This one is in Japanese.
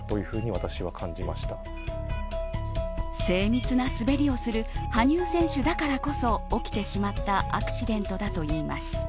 精密な滑りをする羽生選手だからこそ起きてしまったアクシデントだといいます。